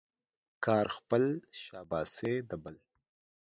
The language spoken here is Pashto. کار خپل ، شاباسي د بل.